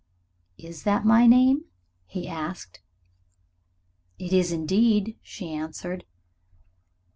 "Is that my name?" he asked. "It is indeed," she answered.